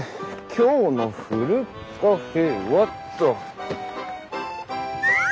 今日のふるカフェはっと。